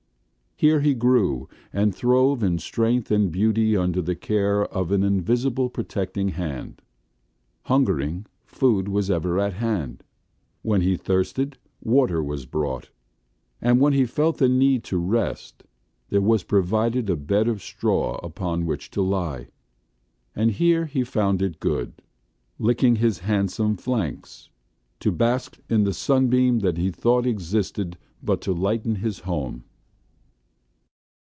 Here he grew, and throve in strength and beauty under the care of an invisible protecting hand. Hungering, food was ever at hand. When he thirsted water was brought, and when he felt the need to rest, there was provided a bed of straw upon which to lie; and here he found it good, licking his handsome flanks, to bask in the sun beam that he thought existed but to lighten his home.